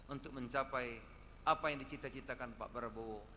untuk mencapai apa yang dicita citakan pak prabowo